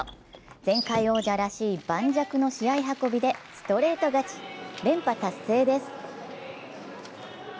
前回王者らしい盤石の試合運びでストレート勝ち、連覇達成です。